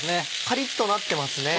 カリっとなってますね。